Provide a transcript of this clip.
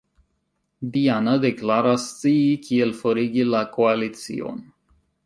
Diana deklaras scii kiel forigi la Koalicion.